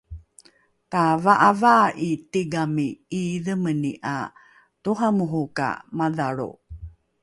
tava’avaa’i tigami ’iidhemeni ’a toramoro ka madhalro